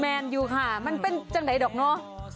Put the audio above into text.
แมนอยู่ค่ะมันเป็นจังไหนดอกเนอะ